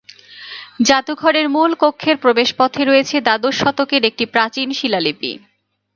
জাদুঘরের মূল কক্ষের প্রবেশ পথে রয়েছে দ্বাদশ শতকের একটি প্রাচীন শিলালিপি।